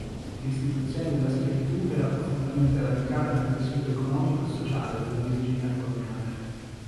L'istituzione della schiavitù era profondamente radicata nel tessuto economico e sociale della Virginia coloniale.